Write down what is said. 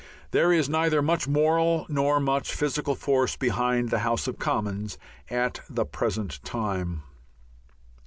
There is neither much moral nor much physical force behind the House of Commons at the present time.